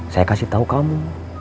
saya kasih tau kamu